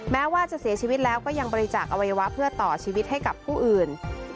แม้ว่าจะเสียชีวิตแล้วก็ยังบริจาคอวัยวะเพื่อต่อชีวิตให้กับผู้อื่น